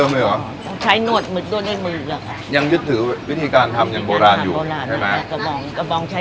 รุ่นที่สองรุ่นที่สองเนอะ